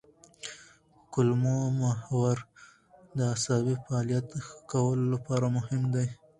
کولمو محور د عصبي فعالیت ښه کولو لپاره مهم دی.